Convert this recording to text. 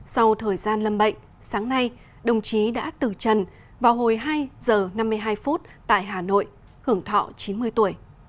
sau thời gian lâm bệnh sáng nay đồng chí đã từ trần vào hồi hai h năm mươi hai phút tại hà nội hưởng thọ chín mươi tuổi